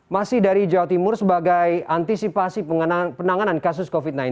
masih dari jawa timur sebagai antisipasi penanganan kasus covid sembilan belas